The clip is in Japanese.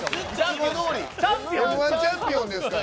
Ｍー１チャンピオンですから。